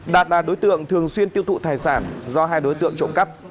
đạt là đối tượng thường xuyên tiêu thụ tài sản do hai đối tượng trộm cắp